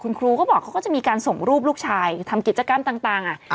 คุณครูก็บอกเขาก็จะมีการส่งรูปลูกชายทำกิจกรรมต่าง